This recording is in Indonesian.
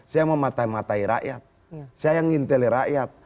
saya mau matai matai rakyat saya yang nginteli rakyat saya yang nginteli rakyat